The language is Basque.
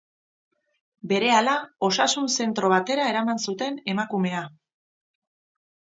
Berehala osasun zentro batera eraman zuten emakumea.